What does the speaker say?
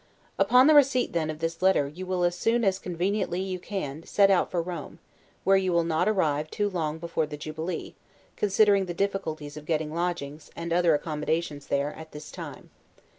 Upon the receipt, then, of this letter, you will as soon as conveniently you can, set out for Rome; where you will not arrive too long before the jubilee, considering the difficulties of getting lodgings, and other accommodations there at this time.